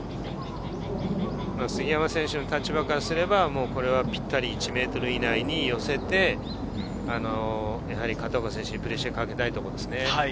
杉山選手の立場からすれば、これはぴったり１ｍ以内に寄せて、片岡選手にプレッシャーをかけたいところですね。